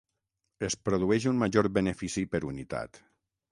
Es produeix un major benefici per unitat.